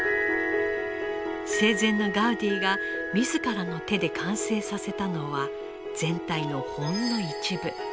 生前のガウディが自らの手で完成させたのは全体のほんの一部。